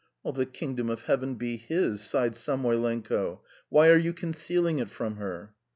"The Kingdom of Heaven be his!" sighed Samoylenko. "Why are you concealing it from her?"